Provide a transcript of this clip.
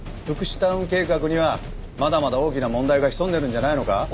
福祉タウン計画にはまだまだ大きな問題が潜んでるんじゃないのか？